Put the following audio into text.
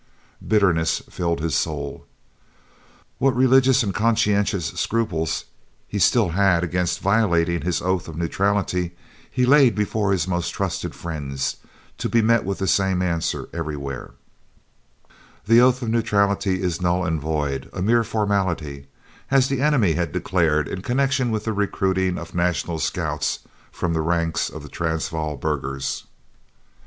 Bitterness filled his soul. What religious and conscientious scruples he still had against violating his oath of neutrality he laid before his most trusted friends, to be met with the same answer everywhere, "The oath of neutrality is null and void, a mere formality," as the enemy had declared in connection with the recruiting of National Scouts from the ranks of the Transvaal burghers.